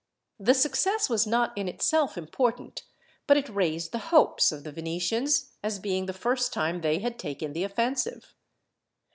The success was not in itself important, but it raised the hopes of the Venetians, as being the first time they had taken the offensive.